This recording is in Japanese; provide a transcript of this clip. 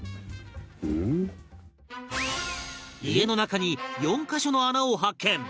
家の中に４カ所の穴を発見